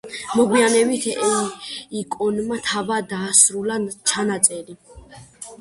მოგვიანებით ეიკონმა თავად დაასრულა ჩანაწერი.